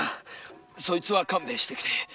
そいつは勘弁してくれ。